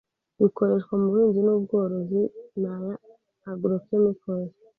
bikoreshwa mu buhinzi n ubworozi ni aya agrochemicals